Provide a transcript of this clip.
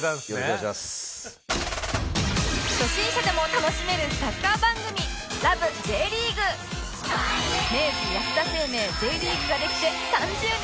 初心者でも楽しめるサッカー番組明治安田生命 Ｊ リーグができて３０年！